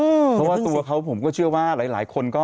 เพราะว่าตัวเขาผมก็เชื่อว่าหลายคนก็